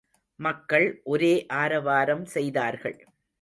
மக்கள் ஒரே ஆரவாரம் செய்தார்கள்.